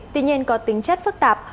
tuy nhiên có tính chất phức tạp